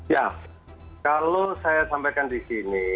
ya kalau saya sampaikan di sini